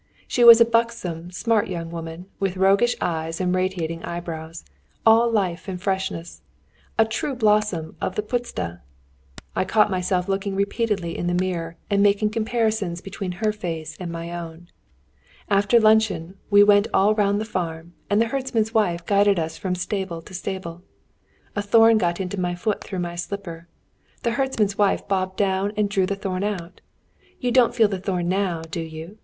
She was a buxom, smart young woman, with roguish eyes and radiating eyebrows, all life and freshness, a true blossom of the puszta. I caught myself looking repeatedly in the mirror, and making comparisons between her face and my own. After luncheon we went all round the farm, and the herdsman's wife guided us from stable to stable. A thorn got into my foot through my slipper. The herdsman's wife bobbed down and drew the thorn out. 'You don't feel the thorn now, do you?'